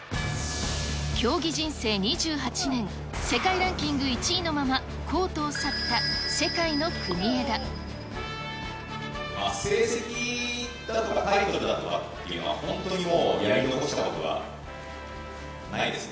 競技人生２８年、世界ランキング１位のまま、成績だとかタイトルだとかっていうのは、本当にもうやり残したことはないですね。